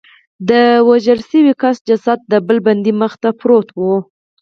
د وژل شوي کس جسد د بل بندي مخې ته پروت و